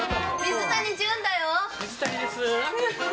水谷です。